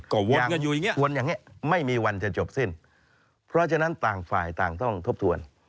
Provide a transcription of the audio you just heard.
ก็วนอย่างนี้ไม่มีวันจะจบสิ้นเพราะฉะนั้นต่างฝ่ายต่างต้องทบทวน